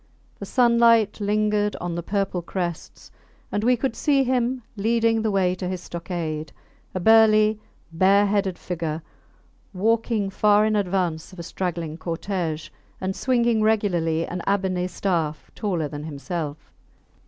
The sunlight lingered on the purple crests, and we could see him leading the way to his stockade, a burly bareheaded figure walking far in advance of a straggling cortege, and swinging regularly an ebony staff taller than himself.